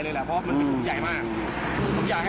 คือรถใหญ่มันเท่าไรอ่ะ